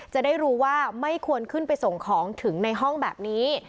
จะได้รู้ว่าไม่ควรขึ้นไปส่งของถึงในห้องแบบนี้